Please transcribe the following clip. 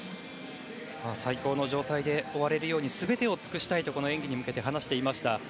最高の状態で終われるよう全てを尽くしたいとこの演技に向けて話していました。